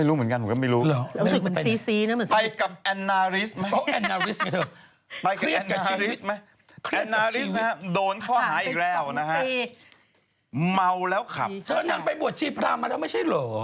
เธอนั้นไปบวชชีพรามาแล้วไม่ใช่เหรอ